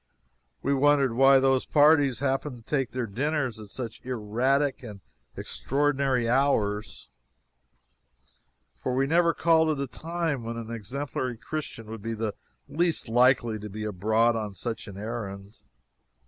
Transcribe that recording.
We wondered why those parties happened to take their dinners at such erratic and extraordinary hours, for we never called at a time when an exemplary Christian would be in the least likely to be abroad on such an errand.